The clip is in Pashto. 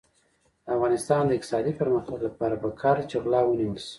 د افغانستان د اقتصادي پرمختګ لپاره پکار ده چې غلا ونیول شي.